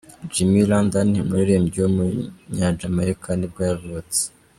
Jimmy London, umuririmbyi w’umunyajamayika nibwo yavutse.